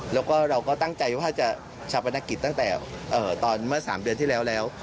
แล้วก็เราก็ตั้งใจว่าจะชาปนกิจตั้งแต่ตอนเมื่อ๓เดือนที่แล้วแล้ว